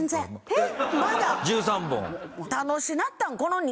えっ！